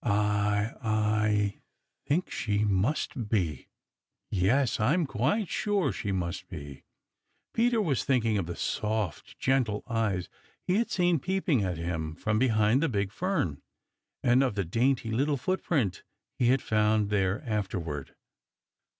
I I think she must be. Yes, I am quite sure she must be." Peter was thinking of the soft, gentle eyes he had seen peeping at him from behind the big fern, and of the dainty little footprint he had found there afterward.